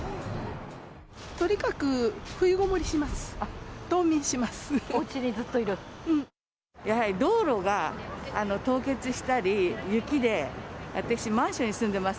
とにかく冬ごもりします。